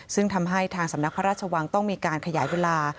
ซึ่งทำให้ทางสำนักพระราชวังต้องมีการขยายเวลา